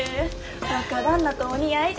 若旦那とお似合いじゃき。